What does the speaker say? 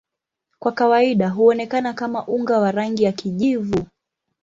Kwa kawaida huonekana kama unga wa rangi ya kijivu.